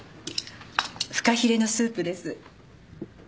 フカヒレのスープです。